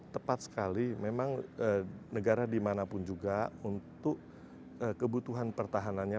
tepat sekali memang negara dimanapun juga untuk kebutuhan pertahanannya